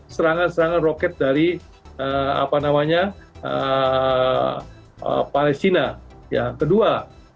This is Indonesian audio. serangan serangan roket dari palestina yang kedua